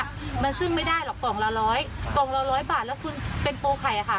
กล่องละ๑๐๐บาทแล้วคุณเป็นปูไข่ค่ะ